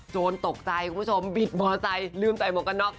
โจ๊ะตกใจคุณผู้ชมบิดบอร์ไซค์ลืมใจมองกันน๊อค